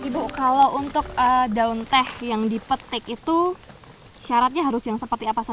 burung dua murti tua